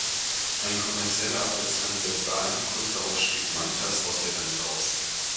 Ein kommerzieller Abwärtstrend setzte ein, kurz darauf stieg Mantas aus der Band aus.